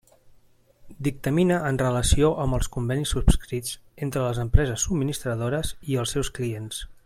Dictamina en relació amb els convenis subscrits entre les empreses subministradores i els seus clients.